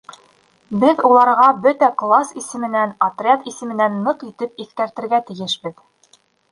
Беҙ уларға бөтә класс исеменән, отряд исеменән ныҡ итеп иҫкәртергә тейешбеҙ.